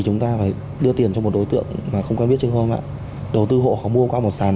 chúng ta phải đưa tiền cho một đối tượng mà không quen biết chứ không ạ đầu tư hộ khó mua qua một sàn